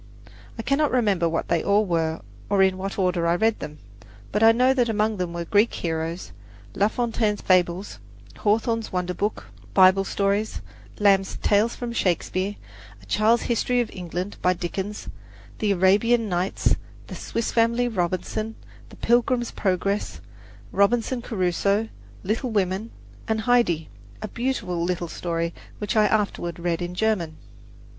I cannot remember what they all were, or in what order I read them; but I know that among them were "Greek Heroes," La Fontaine's "Fables," Hawthorne's "Wonder Book," "Bible Stories," Lamb's "Tales from Shakespeare," "A Child's History of England" by Dickens, "The Arabian Nights," "The Swiss Family Robinson," "The Pilgrim's Progress," "Robinson Crusoe," "Little Women," and "Heidi," a beautiful little story which I afterward read in German.